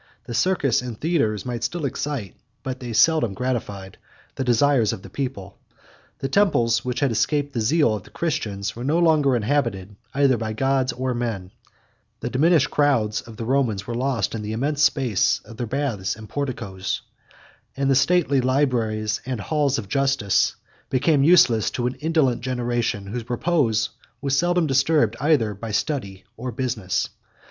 The circus and theatres might still excite, but they seldom gratified, the desires of the people: the temples, which had escaped the zeal of the Christians, were no longer inhabited, either by gods or men; the diminished crowds of the Romans were lost in the immense space of their baths and porticos; and the stately libraries and halls of justice became useless to an indolent generation, whose repose was seldom disturbed, either by study or business.